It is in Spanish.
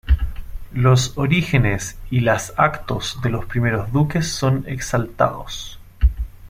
Los orígenes y las actos de los primeros duques son exaltados.